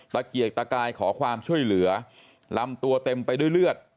ตะเกียกตะกายขอความช่วยเหลือลำตัวเต็มไปด้วยเลือด